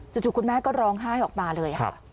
คุณแม่ก็ร้องไห้ออกมาเลยค่ะ